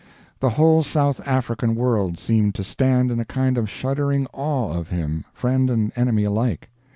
The whole South African world seemed to stand in a kind of shuddering awe of him, friend and enemy alike.